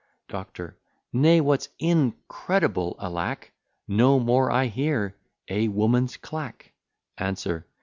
DOCTOR. Nay, what's incredible, alack! No more I hear a woman's clack. ANSWER.